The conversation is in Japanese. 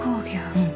うん。